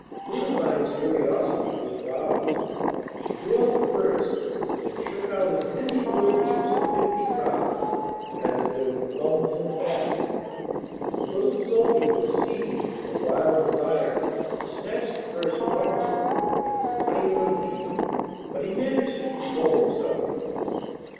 Ludovine's curiosity was roused. She drew out the purse and shook out as many little heaps of fifty crowns as there were plums in the basket. The little soldier was seized with a wild desire to snatch the purse from her and proclaim her a thief, but he managed to control himself.